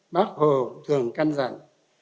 bác hồ thường cân rằng